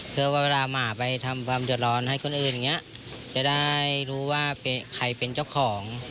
เพื่อว่าเวลาหมาไปทำความเดือดร้อนให้คนอื่นอย่างนี้จะได้รู้ว่าใครเป็นเจ้าของ